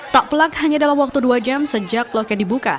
tak pelak hanya dalam waktu dua jam sejak loket dibuka